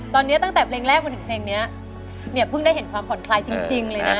ตอนนี้ตั้งแต่เพลงแรกมาถึงเพลงนี้เนี่ยเพิ่งได้เห็นความผ่อนคลายจริงเลยนะ